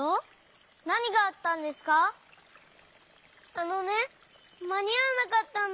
あのねまにあわなかったんだ。